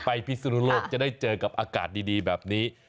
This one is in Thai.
พิศนุโลกจะได้เจอกับอากาศดีแบบนี้